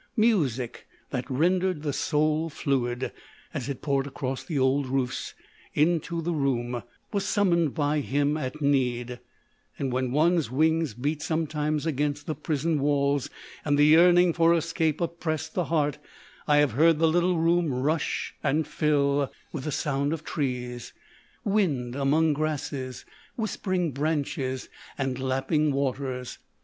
Music, that rendered the soul fluid, as it poured across the old roofs into the room, was summoned by him at need ; and when one's wings beat sometimes against the prison walls and the yearning for escape oppressed the heart, I have heard the little room rush and fill with the sound of trees, wind among grasses, whispering branches, and lapping waters.